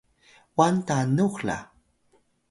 wal tanux la